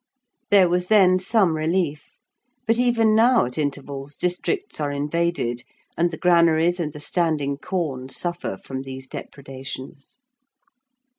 There was then some relief, but even now at intervals districts are invaded, and the granaries and the standing corn suffer from these depredations.